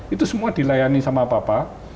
itu semua dilayani sama apa